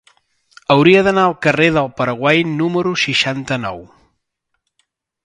Hauria d'anar al carrer del Paraguai número seixanta-nou.